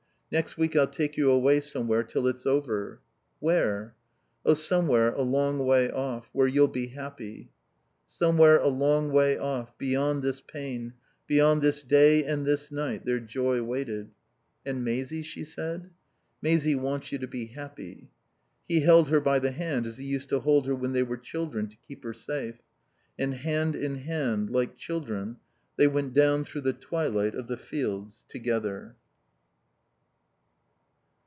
"Next week I'll take you away somewhere till it's over." "Where?" "Oh, somewhere a long way off, where you'll be happy." Somewhere a long way off, beyond this pain, beyond this day and this night, their joy waited. "And Maisie?" she said. "Maisie wants you to be happy." He held her by the hand as he used to hold her when they were children, to keep her safe. And hand in hand, like children, they went down through the twilight of the fields, together.